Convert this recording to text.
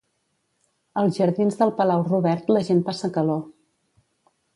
Als jardins del Palau Robert la gent passa calor.